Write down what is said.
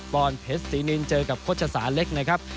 ๑๒๐ปอนด์เพชรสีนินเจอกับพจสาเล็กนะครับ